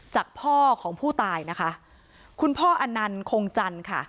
จากพ่อของผู้ตายนะคะคุณพ่ออนันต์คงจันทร์ค่ะ